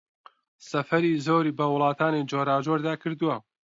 سەفەری زۆری بە وڵاتانی جۆراوجۆردا کردووە